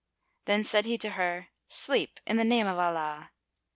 Then said he to her, "Sleep, in the name of Allah."